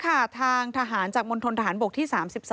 ก็รวมกับทางทหารจากมณฑณทหารบกที่๓๒